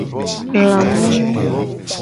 Lamumu.